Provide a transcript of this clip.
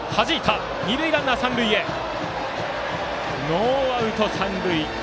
ノーアウト、三塁。